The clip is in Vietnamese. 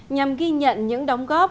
nhằm ghi nhận những đóng góp